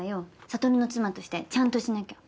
悟の妻としてちゃんとしなきゃ。